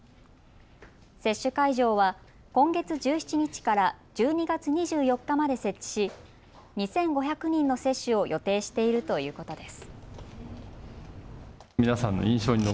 接種会場は今月１７日から１２月２４日まで設置し２５００人の接種を予定しているということです。